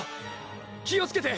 気をつけて！